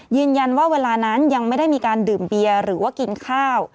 ยืนยันว่าเวลานั้นยังไม่ได้มีการดื่มเบียร์หรือว่ากินข้าว